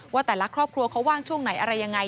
ว่าแต่ละครอบครัวเขาว่างช่วงไหนอะไรยังไง